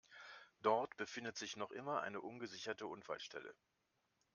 Dort befindet sich noch immer eine ungesicherte Unfallstelle.